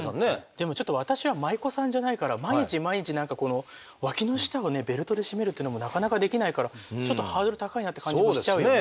でもちょっと私は舞妓さんじゃないから毎日毎日何かこのワキの下をベルトで締めるっていうのもなかなかできないからちょっとハードル高いなって感じもしちゃうよね。